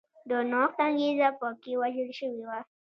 د نوښت انګېزه په کې وژل شوې وه.